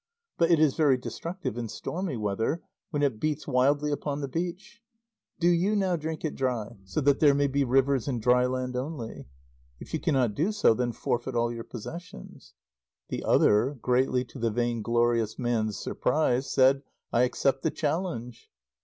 But it is very destructive in stormy weather, when it beats wildly upon the beach. Do you now drink it dry, so that there may be rivers and dry land only. If you cannot do so, then forfeit all your possessions." The other (greatly to the vainglorious man's surprise) said: "I accept the challenge."